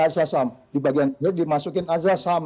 azas ham di bagian dimasukin azas ham